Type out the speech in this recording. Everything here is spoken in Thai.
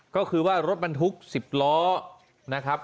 ก็คือว่ารถบรรทุก๑๐ล้อนะครับ